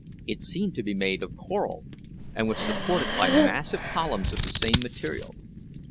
It seemed to be made of coral, and was supported by massive columns of the same material.